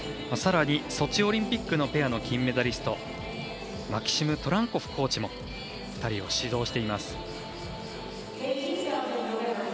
さらにソチオリンピックのペアの金メダリストマキシム・トランコフコーチも２人を指導しています。